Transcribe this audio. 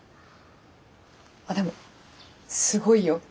あっでもすごいよ今年。